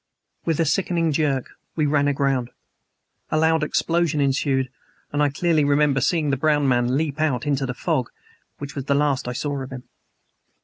With a sickening jerk we ran aground. A loud explosion ensued, and I clearly remember seeing the brown man leap out into the fog which was the last I saw of him.